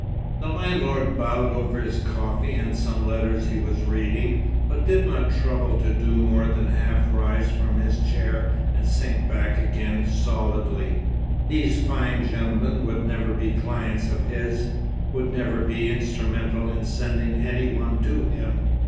The landlord bowed over his coffee and some letters he was reading, but did not trouble to do more than half rise from his chair and sink back again, solidly. These fine gentlemen would never be clients of his, would never be instrumental in sending any one to him.